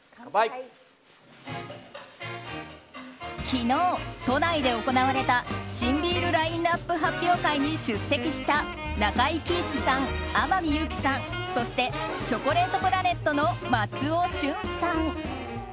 昨日都内で行われた新ビールラインアップ発表会に出席した中井貴一さん天海祐希さんそしてチョコレートプラネットの松尾駿さん。